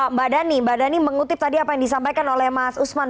mbak dhani mbak dhani mengutip tadi apa yang disampaikan oleh mas usman